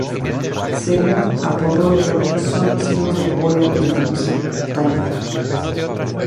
Según Apolodoro son los hijos de Apolo y la musa Talía.